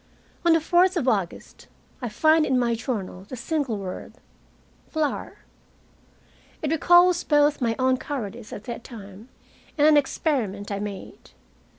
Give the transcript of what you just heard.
On the fourth of August I find in my journal the single word "flour." It recalls both my own cowardice at that time, and an experiment I made.